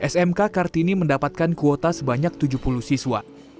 smk kartini mendapatkan kuota sebanyak tujuh puluh siswa